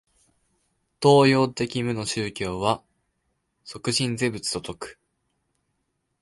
東洋的無の宗教は即心是仏と説く。